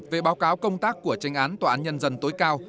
về báo cáo công tác của tranh án tòa án nhân dân tối cao